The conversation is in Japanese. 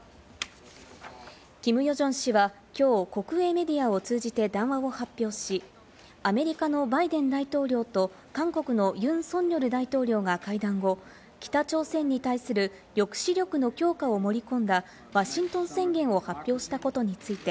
キム・ヨジョン氏は今日、国営メディアを通じて談話を発表し、アメリカのバイデン大統領と韓国のユン・ソンニョル大統領が会談後、北朝鮮に対する抑止力の強化を盛り込んだワシントン宣言を発表したことについて、